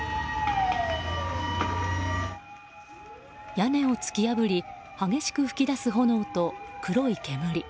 屋根を突き破り激しく噴き出す炎と黒い煙。